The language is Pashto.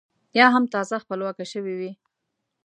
یا هم تازه خپلواکه شوې وي.